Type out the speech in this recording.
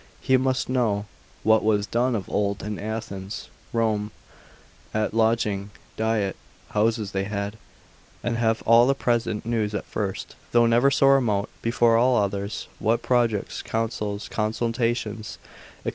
he must know what was done of old in Athens, Rome, what lodging, diet, houses they had, and have all the present news at first, though never so remote, before all others, what projects, counsels, consultations, &c.